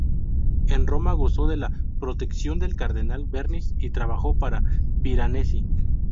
En Roma gozó de la protección del cardenal Bernis y trabajó para Piranesi.